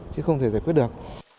chứ không thể giải quyết được